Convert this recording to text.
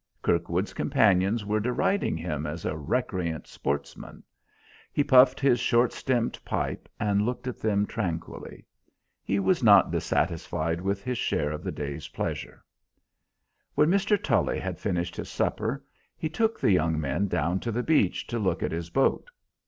Kirkwood's companions were deriding him as a recreant sportsman. He puffed his short stemmed pipe and looked at them tranquilly. He was not dissatisfied with his share of the day's pleasure. When Mr. Tully had finished his supper, he took the young men down to the beach to look at his boat.